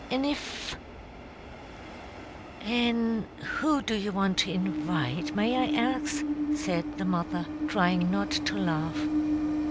An' if " "An' who do you want to invite, may I ax?" said the mother, trying not to laugh.